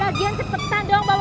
lagi lagi cepetan dong bawang ebu